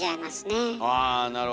あなるほど。